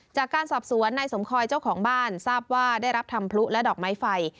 จากการสอบสวนนายสมคอยเจ้าของบ้านทราบว่าได้รับทำพลุและดอกไม้ไฟ